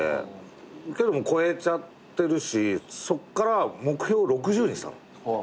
けどもう超えちゃってるしそっから目標６０にしたの。